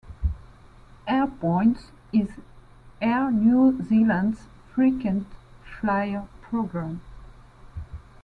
Airpoints is Air New Zealand's frequent-flyer programme.